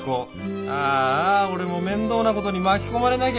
ああ俺も面倒なことに巻き込まれなきゃいいけど。